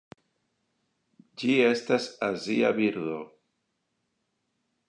Ĝi estas azia birdo.